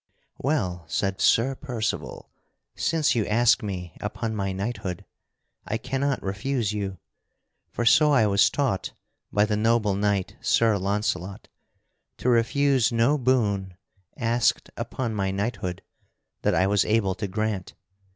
"Well," said Sir Percival, "since you ask me upon my knighthood, I cannot refuse you, for so I was taught by the noble knight, Sir Launcelot, to refuse no boon asked upon my knighthood that I was able to grant.